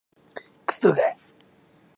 くそが